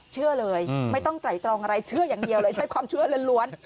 เชื่อเลยไม่ต้องไตรตรองอะไรเชื่ออย่างเดียวเลยใช้ความเชื่อล้วน